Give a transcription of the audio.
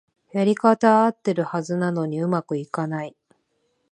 やり方はあってるはずなのに上手くいかない